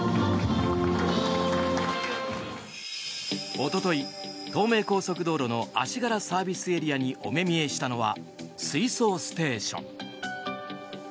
おととい、東名高速道路の足柄ＳＡにお目見えしたのは水素ステーション。